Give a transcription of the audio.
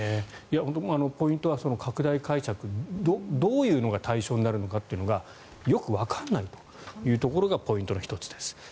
ポイントは拡大解釈どういうのが対象になるのかよくわからないというところがポイントの１つです。